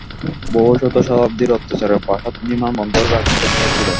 বহু শত শতাব্দীর অত্যাচারে প্রাসাদ-নির্মাণ বন্ধ রাখিতে হইয়াছিল।